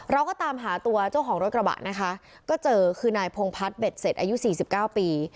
เราก็ตามหาตัวเจ้าของรถกระบะนะคะก็เจอคือนายพงพัฒน์เด็ดเสร็จอายุสี่สิบเก้าปี